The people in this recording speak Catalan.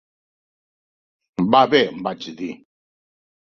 "Va bé", vaig dir.